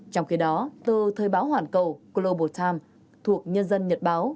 trong khi đó tờ thời báo hoàn cầu global times thuộc nhân dân nhật báo